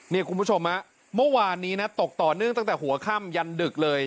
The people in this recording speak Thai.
นี่คุณผู้ชมเมื่อวานนี้นะตกต่อเนื่องตั้งแต่หัวค่ำยันดึกเลย